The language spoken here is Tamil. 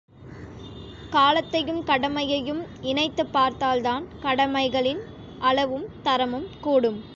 காலத்தையும் கடமையையும் இணைத்துப் பார்த்தால்தான் கடமைகளின் அளவும் தரமும் கூடும்.